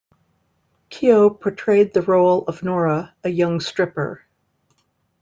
Keough portrayed the role of Nora, a young stripper.